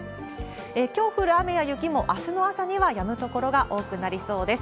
きょう降る雨や雪も、あすの朝にはやむ所が多くなりそうです。